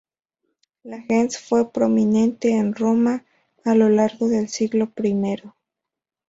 La gens fue prominente en Roma a lo largo del siglo primero.